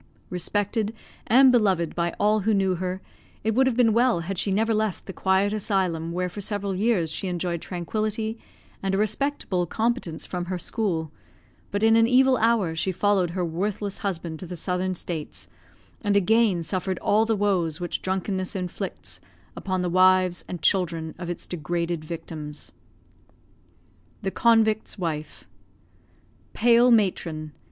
Respected and beloved by all who knew her, it would have been well had she never left the quiet asylum where for several years she enjoyed tranquillity and a respectable competence from her school; but in an evil hour she followed her worthless husband to the Southern States, and again suffered all the woes which drunkenness inflicts upon the wives and children of its degraded victims. THE CONVICT'S WIFE Pale matron!